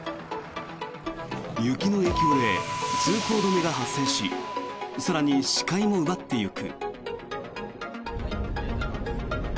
雪の影響で通行止めが発生し更に視界も奪っていく。